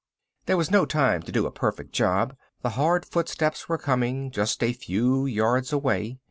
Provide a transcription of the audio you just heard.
There was no time to do a perfect job, the hard footsteps were coming, just a few yards away.